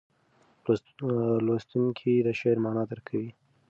لوستونکی د شعر معنا درک کوي.